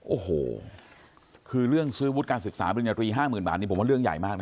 โอ้โหคือเรื่องซื้อวุฒิการศึกษาปริญญาตรี๕๐๐๐บาทนี่ผมว่าเรื่องใหญ่มากนะ